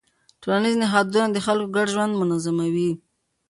ټولنیز نهادونه د خلکو ګډ ژوند منظموي.